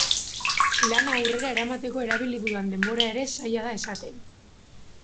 Lana aurrera eramateko erabili dudan denbora ere zaila da esaten.